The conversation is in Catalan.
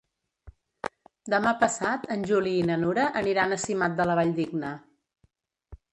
Demà passat en Juli i na Nura aniran a Simat de la Valldigna.